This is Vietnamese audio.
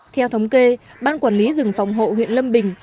theo thống kê ban quản lý rừng phòng hộ huyện lâm bình